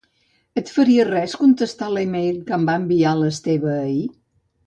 Et faria res contestar l'e-mail que em va enviar l'Esteve ahir?